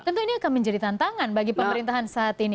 tentu ini akan menjadi tantangan bagi pemerintahan saat ini